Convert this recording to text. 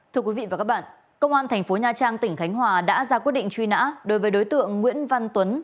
thưa quý vị và các bạn công an thành phố nha trang tỉnh khánh hòa đã ra quyết định truy nã đối với đối tượng nguyễn văn tuấn